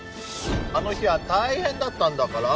あの日は大変だったんだから